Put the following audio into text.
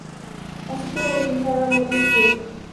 Así quedó bautizada Mötley Crüe.